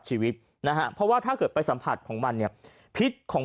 ชีวิตนะฮะเพราะว่าถ้าเกิดไปสัมผัสของมันเนี่ยพิษของ